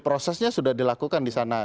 prosesnya sudah dilakukan di sana